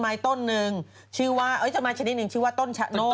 มีต้นไม้ชนิดหนึ่งชื่อว่าต้นชะโน่น